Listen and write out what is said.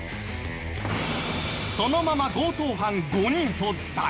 そのまま強盗犯５人と大乱闘！